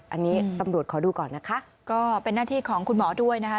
อันนี้ตำรวจขอดูก่อนนะคะก็เป็นหน้าที่ของคุณหมอด้วยนะคะ